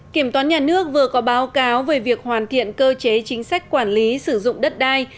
kiểm toán nhà nước vừa có báo cáo về việc hoàn thiện cơ chế chính sách quản lý sử dụng đất đai